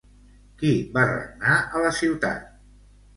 Qui va regnar a la ciutat?